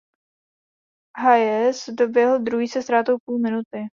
Hayes doběhl druhý se ztrátou půl minuty.